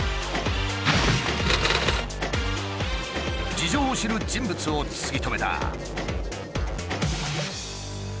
事情を知る人物を突き止めた。